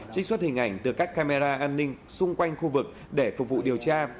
trích xuất hình ảnh từ các camera an ninh xung quanh khu vực để phục vụ điều tra